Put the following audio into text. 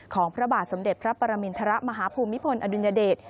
พระบาทสมเด็จพระปรมินทรมาฮภูมิพลอดุลยเดช